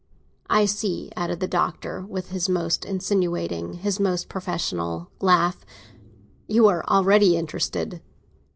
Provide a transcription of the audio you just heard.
I see," added the Doctor, with his most insinuating, his most professional laugh, "you are already interested!"